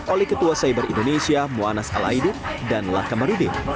oleh ketua cyber indonesia moanas alaidu dan latka marudie